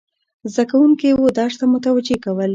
زده کوونکي و درس ته متوجه کول،